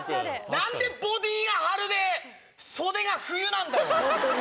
何でボディーが春で袖が冬なんだよ。